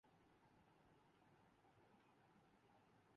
قائداعظم محمد علی جناح ہندو مسلم اتحاد کے حامی تھے